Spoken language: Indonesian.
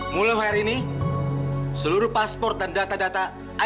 mulai hari ini seluruh paspor dan data data aku tahan